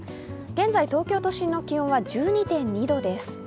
現在東京都心の気温は１２．２度です。